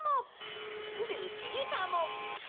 ルチータも！